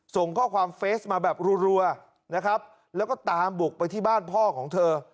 ส่งข้อความเฟสมาแบบรัวนะครับแล้วก็ตามบุกไปที่บ้านพ่อของเธอ